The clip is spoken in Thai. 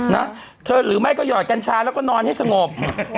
นะเธอหรือไม่ก็หยอดกัญชาแล้วก็นอนให้สงบ